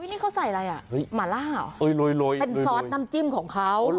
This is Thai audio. นี่เขาใส่อะไรอ่ะหมาล่าเหรอเป็นซอสน้ำจิ้มของเขา